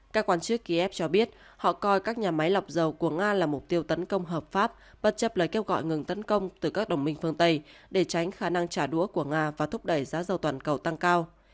các quan chức kiev cho biết họ coi các nhà máy lọc dầu của nga là mục tiêu tấn công hợp pháp bất chấp lời kêu gọi ngừng tấn công từ các đồng minh phương tây để tránh khả năng trả đũa của nga và thúc đẩy giá dầu toàn cầu tăng cao